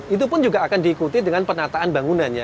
itu pun juga akan diikuti dengan penataan bangunannya